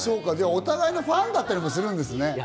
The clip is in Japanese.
お互いのファンだったりするんですね。